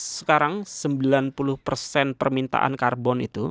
sekarang sembilan puluh persen permintaan karbon itu